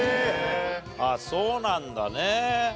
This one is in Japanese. ああそうなんだね。